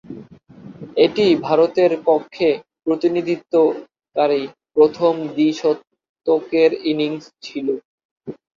এটিই ভারতের পক্ষে প্রতিনিধিত্বকারী প্রথম দ্বি-শতকের ইনিংস ছিল।